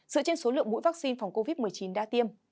dựa trên số lượng mũi vaccine phòng covid một mươi chín đã tiêm